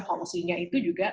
polisinya itu juga